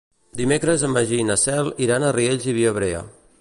Dimecres en Magí i na Cel iran a Riells i Viabrea.